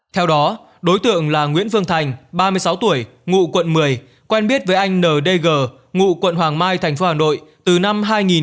theo đó đối tượng là nguyễn phương thành ba mươi sáu tuổi ngụ quận một mươi quen biết với anh n d g ngụ quận hoàng mai tp hcm từ năm hai nghìn một mươi một